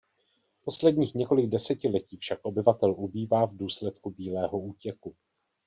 Posledních několik desetiletí však obyvatel ubývá v důsledku bílého útěku.